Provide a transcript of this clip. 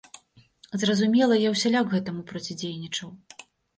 Зразумела, я ўсяляк гэтаму процідзейнічаў.